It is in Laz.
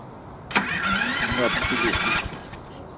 Mu na bdziri miçkin.